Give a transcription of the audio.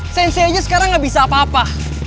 sensei aja sekarang gak bisa apa apa